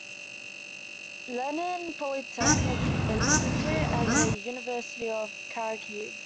Lenin Polytechnic Institute, and the University of Kharkiv.